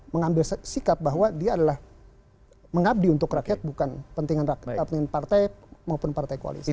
mengambil sikap bahwa dia adalah mengabdi untuk rakyat bukan pentingan partai maupun partai koalisi